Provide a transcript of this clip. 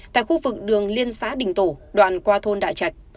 tại khu vực đường liên xã đình tổ đoạn qua thôn đại trạch